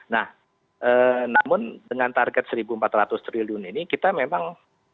nah namun dengan target rp satu empat ratus triliun ini kita memang